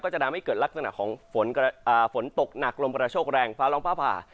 จะทำให้เกิดลักษณะของฝนตกหนักลมกระโชคแรงฟ้าร้องฟ้าผ่า